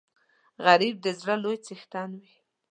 غریب د زړه لوی څښتن وي